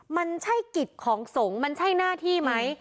มันใช่กิจของสงฆ์มันใช่หน้าที่ไหม